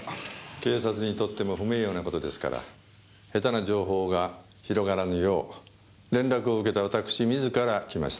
警察にとっても不名誉な事ですから下手な情報が広がらぬよう連絡を受けた私自ら来ました。